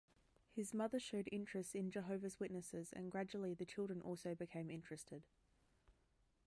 His mother showed interest in Jehovah's Witnesses and gradually the children also became interested.